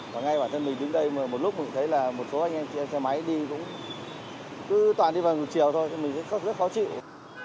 và ngay bản thân mình đứng đây một lúc mình thấy là một số anh em xe máy đi cũng cứ toàn đi vào chiều thôi mình rất khó chịu